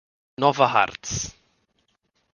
Nova Hartz